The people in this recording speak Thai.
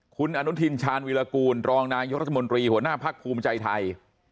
คุณอนุทินชาญวิรากูลรองนายกรัฐมนตรีหัวหน้าพักภูมิใจไทย